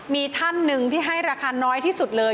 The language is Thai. มีท่านหนึ่งที่ให้ราคาน้อยที่สุดเลย